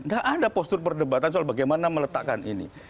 gak ada postur perdebatan soal bagaimana meletakkan ini